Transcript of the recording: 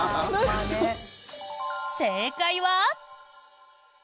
正解は。